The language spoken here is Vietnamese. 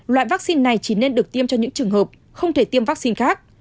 loại vaccine này chỉ nên được tiêm cho những trường hợp không thể tiêm vaccine khác